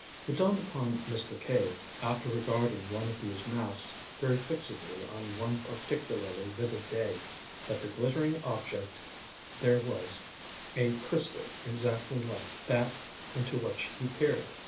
It dawned upon Mr. Cave, after regarding one of these masts very fixedly on one particularly vivid day, that the glittering object there was a crystal exactly like that into which he peered.